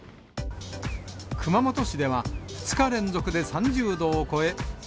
熊本市では、２日連続で３０度を超え。